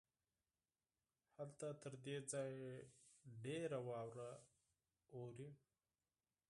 هلته تر دې ځای ډېره واوره اوري.